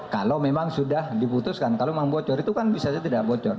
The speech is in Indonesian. kalau memang sudah diputuskan kalau membocor itu kan bisa tidak bocor